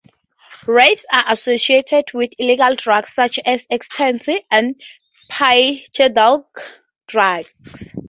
Raves are associated with illegal drugs such as Ecstasy and psychedelic drugs.